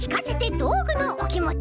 どうぐのおきもち」。